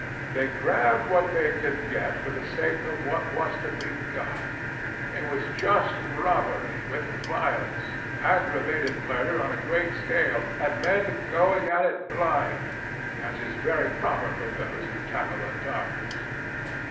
They grabbed what they could get for the sake of what was to be got. It was just robbery with violence, aggravated murder on a great scale, and men going at it blind as is very proper for those who tackle a darkness.